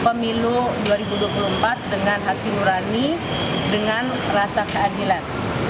pertama kita harus memutuskan pemilu dua ribu dua puluh empat dengan hati murani dengan rasa keadilan